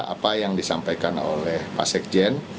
apa yang disampaikan oleh pak sekjen